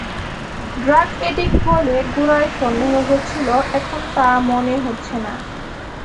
Drug addict বলে গোড়ায় সন্দেহ হচ্ছিল, এখন তা মনে হচ্ছে না।